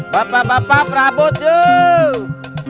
bapak bapak perabot yuk